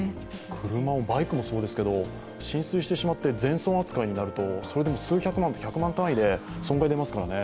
車もバイクもそうですけど浸水してしまって全損扱いになると、数百万、百万単位で損害が出ますもんね。